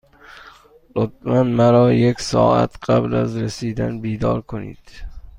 لطفا مرا یک ساعت قبل از رسیدن بیدار کنید.